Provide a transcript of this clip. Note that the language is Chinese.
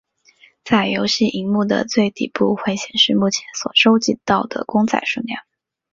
在游戏萤幕的最底部会显示目前所收集到的公仔数量。